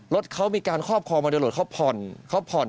รถเขามีการคอบคอมาโดยรถเขาผ่อน